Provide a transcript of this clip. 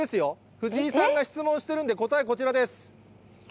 藤井さんが質問してるんで、答え、こちらです。